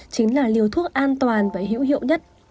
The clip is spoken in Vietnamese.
chính là liều thuốc an toàn và hữu hiệu nhất